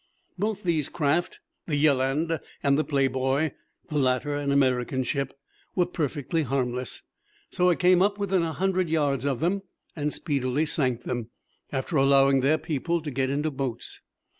Both these craft, the Yelland and the Playboy the latter an American ship were perfectly harmless, so I came up within a hundred yards of them and speedily sank them, after allowing their people to get into boats.